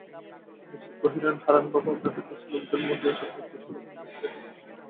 Magistrate কহিলেন, হারানবাবু, আপনাদের দেশের লোকদের মধ্যে এ-সকল কিসের লক্ষণ দেখা যাইতেছে?